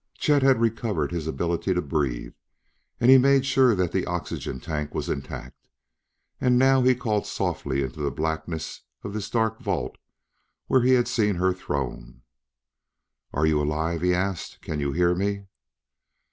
Chet had recovered his ability to breathe, had made sure that the oxygen tank was intact; and now he called softly into the blackness of this dark vault where he had seen her thrown. "Are you alive?" he asked. "Can you hear me?"